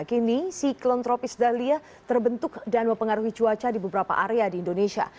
kini siklon tropis dahlia terbentuk dan mempengaruhi cuaca di beberapa area di indonesia